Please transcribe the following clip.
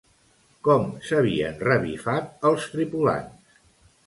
Com s'havien revifat els tripulants?